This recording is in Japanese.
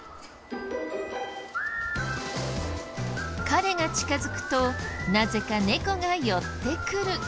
彼が近づくとなぜか猫が寄ってくる。